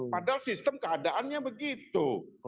padahal sistem keadaannya begitu